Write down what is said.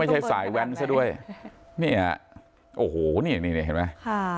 ไม่ใช่สายแว้นซะด้วยเนี้ยโอ้โหนี่นี่นี่เห็นไหมค่ะ